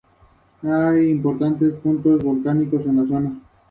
Sin embargo, el coche el que ella está se estrella.